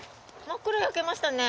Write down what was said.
真っ黒に焼けましたね。